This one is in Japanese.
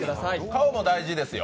顔も大事ですよ。